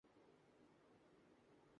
کچھ ادراک ہوتا تو ٹال مٹول سے کام نہ لیتے۔